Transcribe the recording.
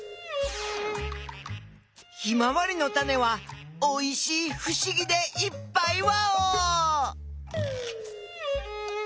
ヒマワリのタネはおいしいふしぎでいっぱいワオ！